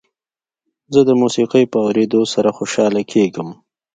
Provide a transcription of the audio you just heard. زه د موسیقۍ په اورېدو سره خوشحاله کېږم.